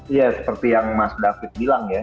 iya seperti yang mas david bilang ya